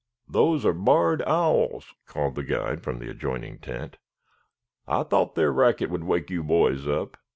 "Those are barred owls," called the guide from the adjoining tent. "I thought their racket would wake you boys up.